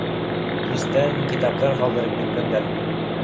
— Кистән китаптар ҡалдырып киткәндәр